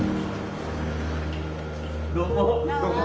どうも。